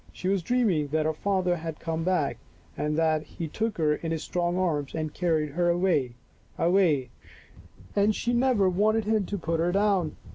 She was dreaming that her father had come back and that he took her in his strong arms and carried her away, away, and she never wanted him to put her down.